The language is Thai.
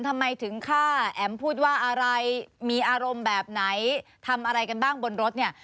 ทำไมถึงฆ่าแอ๋มพูดว่าอะไรมีอารมณ์แบบไหนทำอะไรกันบ้างบนรถเนี่ย